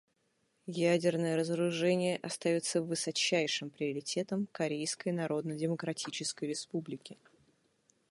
Ядерное разоружение остается высочайшим приоритетом Корейской Народно-Демо-кратической Республики.